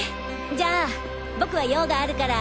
じゃあ僕は用があるから。